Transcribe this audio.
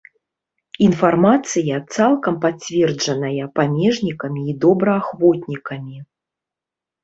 Інфармацыя цалкам пацверджаная памежнікамі і добраахвотнікамі.